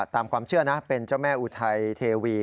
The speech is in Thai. ตามความเชื่อนะเป็นเจ้าแม่อุทัยเทวี